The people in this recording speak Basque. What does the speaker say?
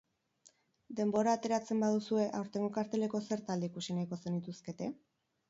Denbora ateratzen baduzue, aurtengo karteleko zer talde ikusi nahiko zenituzkete?